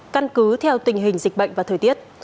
căn cứ theo tình hình dịch bệnh và thời tiết